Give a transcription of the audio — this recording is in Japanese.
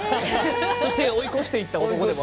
そして、追い越していった男。